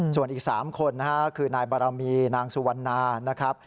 ส่วนอีก๓คนคือนายบารมีนางสุวรรณา